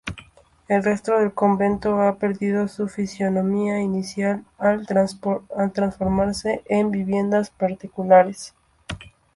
El resto del convento ha perdido su fisionomía inicial al transformarse en viviendas particulares.